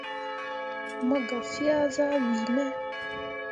Mo gah fea zah wii me.